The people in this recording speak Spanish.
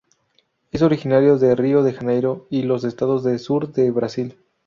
Es originaria de Río de Janeiro y los estados del sur de Brasil.